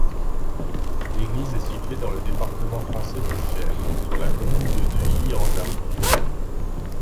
L'église est située dans le département français du Cher, sur la commune de Neuilly-en-Dun.